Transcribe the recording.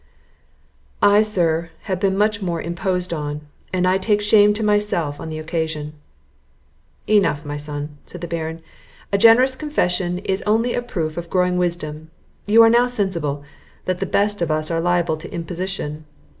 "I, sir, have been much more imposed on; and I take shame to myself on the occasion." "Enough, my son," said the Baron; "a generous confession is only a proof of growing wisdom. You are now sensible, that the best of us are liable to imposition.